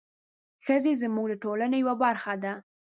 ښځې زموږ د ټولنې یوه برخه ده.